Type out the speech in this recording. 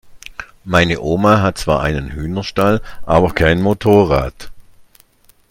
Meine Oma hat zwar einen Hühnerstall, aber kein Motorrad.